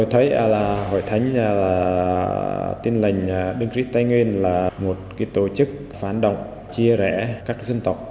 hội thánh tin lành đấng trích tây nguyên là một tổ chức phản động chia rẽ các dân tộc